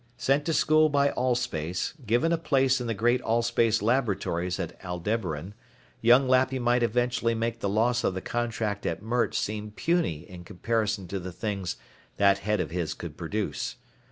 Sent to school by Allspace, given a place in the great Allspace laboratories at Aldebaran, young Lappy might eventually make the loss of the contract at Mert seem puny in comparison to the things that head of his could produce.